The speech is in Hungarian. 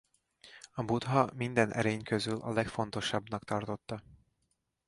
A Buddha minden erény közül a legfontosabbnak tartotta.